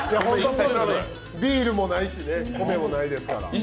ビールもないしね、米もないですから。